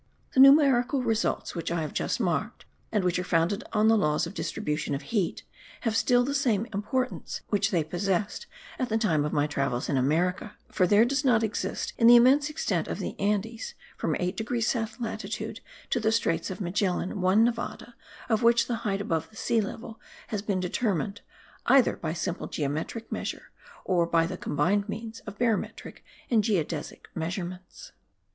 The numerical results which I have just marked and which are founded on the laws of distribution of heat, have still the same importance which they possessed at the time of my travels in America; for there does not exist in the immense extent of the Andes, from 8 degrees south latitude to the Straits of Magellan, one Nevada of which the height above the sea level has been determined, either by a simple geometric measure, or by the combined means of barometric and geodesic measurements.